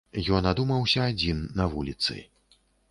Ён адумаўся адзін на вуліцы.